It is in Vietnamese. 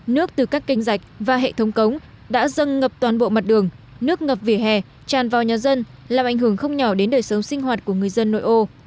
nước từ các kênh dạch và hệ thống cống đã dâng ngập toàn bộ mặt đường nước ngập vỉa hè tràn vào nhà dân làm ảnh hưởng không nhỏ đến đời sống sinh hoạt của người dân nội ô